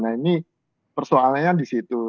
nah ini persoalannya di situ